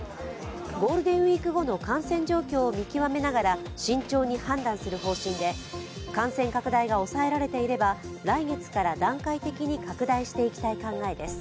ゴールデンウイーク後の感染状況を見極めながら慎重に判断する方針で、感染拡大が抑えられていれば来月から段階的に拡大していきたい考えです。